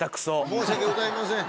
申し訳ございません。